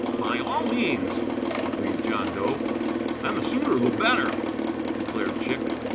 "By all means!" agreed John Dough. "And the sooner the better," declared Chick.